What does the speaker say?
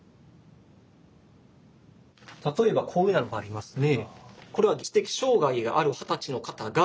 例えばこういうのがありますね。